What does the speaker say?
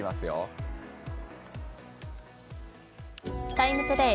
「ＴＩＭＥ，ＴＯＤＡＹ」